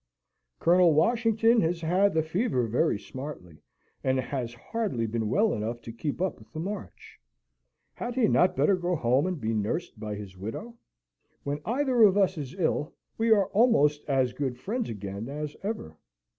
"Colonel Washington has had the fever very smartly, and has hardly been well enough to keep up with the march. Had he not better go home and be nursed by his widow? When either of us is ill, we are almost as good friends again as ever.